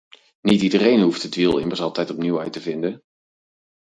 Niet iedereen hoeft het wiel immers altijd opnieuw uit te vinden.